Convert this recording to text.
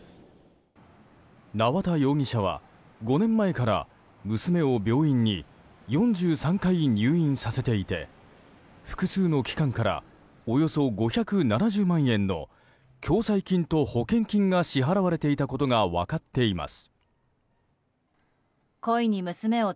縄田容疑者は５年前から娘を病院に４３回入院させていて複数の機関からおよそ５７０万円の共済金と保険金が支払われていたことが分かっています。